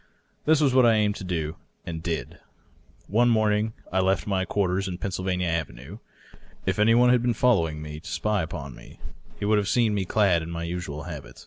This was what I aimed to do, and did. One morning T left; my quarters in Pennsylvania Avenue. If any one had been following me to spy upon me he would have seen me clad in my usual habit.